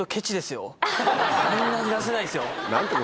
こんなに出せないですよ。